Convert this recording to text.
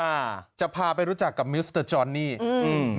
อ่าจะพาไปรู้จักกับมิวสเตอร์จอนนี่อืม